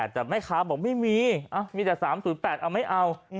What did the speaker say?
แต่แม่ค้าบอกไม่มีมีแต่๓๐๘เอาไม่เอา